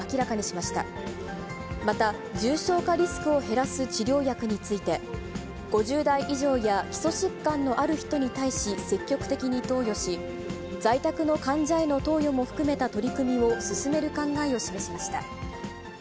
また重症化リスクを減らす治療薬について、５０代以上や基礎疾患のある人に対し積極的に投与し、在宅の患者への投与も含めた取り組みを進める考えを示しました。